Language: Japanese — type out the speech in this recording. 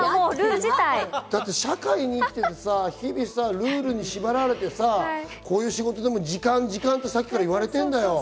だって社会に生きててさ、日々ルールに縛られてさ、こういう仕事でも時間、時間ってさっきから言われてんだよ。